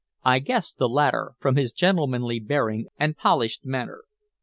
I rather guessed the latter, from his gentlemanly bearing and polished manner.